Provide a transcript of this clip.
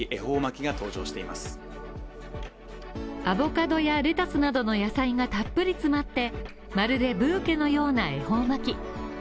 アボカドやレタスなどの野菜がたっぷり詰まってまるでブーケのような恵方巻。